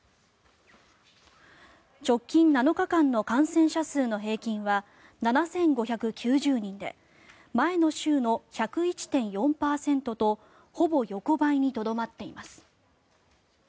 直近７日間の感染者数の平均は７５９０人で前の週の１０１．４％とほぼ横ばいにとどまっています。